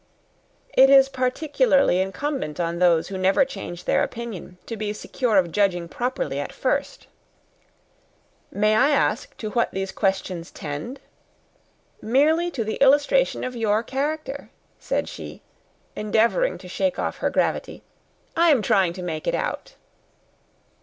"It is particularly incumbent on those who never change their opinion, to be secure of judging properly at first." "May I ask to what these questions tend?" "Merely to the illustration of your character," said she, endeavouring to shake off her gravity. "I am trying to make it out."